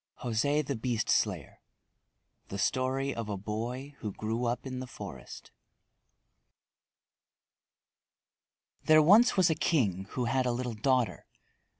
JOSÉ THE BEAST SLAYER The Story of a Boy Who Grew Up in the Forest There was once a king who had a little daughter.